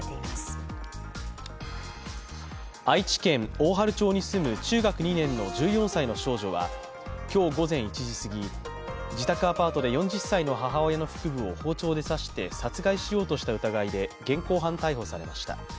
大治町に住む中学２年の１４歳の少女は今日午前１時すぎ、自宅アパートで４０歳の母親の腹部を包丁で刺して殺害しようとした疑いで現行犯逮捕されました。